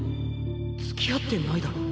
つきあってないだろ？